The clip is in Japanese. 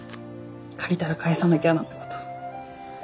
借りたら返さなきゃなんて事。